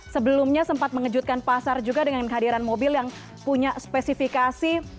sebelumnya sempat mengejutkan pasar juga dengan kehadiran mobil yang punya spesifikasi